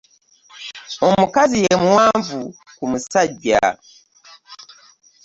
Omukazi ye muwanvu ku musajja?